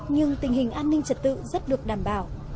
nhưng tình hình an ninh trật tự rất được đảm bảo